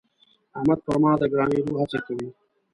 احمد پر ما د ګرانېدو هڅه کوي.